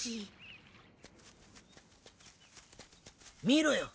見ろよ。